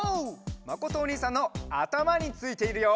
まことおにいさんのあたまについているよ。